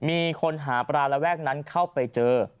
มีคนหาปลาระแวกนั้นเข้าไปเจอ